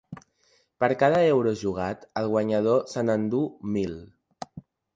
Per cada euro jugat, el guanyador se n’enduu mil.